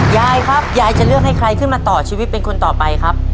ยายครับยายจะเลือกให้ใครขึ้นมาต่อชีวิตเป็นคนต่อไปครับ